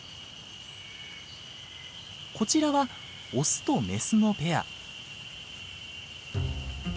こちらはオスとメスのペア。